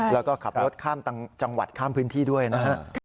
แล้วก็ขับรถข้ามจังหวัดข้ามพื้นที่ด้วยนะฮะ